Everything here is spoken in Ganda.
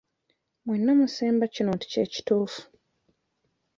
Mwenna musemba kino nti kye kituufu?